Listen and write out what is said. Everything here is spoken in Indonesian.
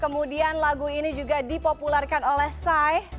kemudian lagu ini juga dipopularkan oleh psy